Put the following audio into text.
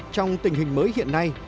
trong tình hình mới hiện nay